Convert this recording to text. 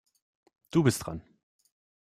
Du bist dran.